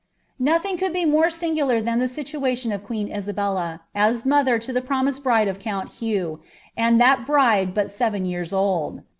Nothing could be more aingular than the aiiuatiai of queen l»bclla, as niuthvr lo the pmmised bride «f count [iagb.wi that bride but ocven years old.